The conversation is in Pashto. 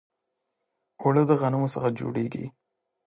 اوړه د غنمو څخه جوړیږي